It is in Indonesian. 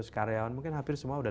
karyawan mungkin hampir semua sudah